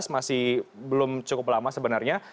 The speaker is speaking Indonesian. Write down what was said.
masih belum cukup lama sebenarnya